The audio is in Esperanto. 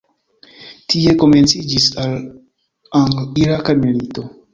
Tie komenciĝis la Angl-Iraka Milito.